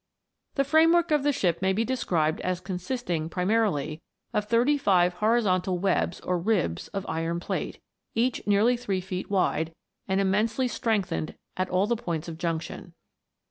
The framework of the ship may be described as consisting, primarily, of thirty five horizontal webs or ribs of iron plate, each nearly three feet wide, and immensely strengthened at all the points of junction.